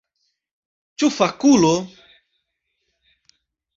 Ĉu fakulo?